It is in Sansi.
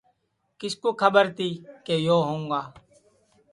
کِس کُو کھٻر تی کہ یو ہؤں گا